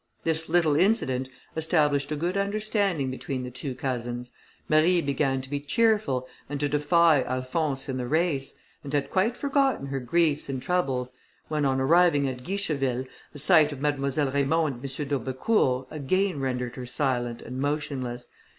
This little incident established a good understanding between the two cousins. Marie began to be cheerful, and to defy Alphonse in the race, and had quite forgotten her griefs and troubles, when, on arriving at Guicheville, the sight of Mademoiselle Raymond and M. d'Aubecourt, again rendered her silent and motionless.